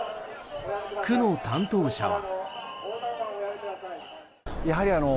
区の担当者は。